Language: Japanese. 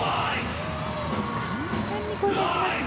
完全に越えていきますね。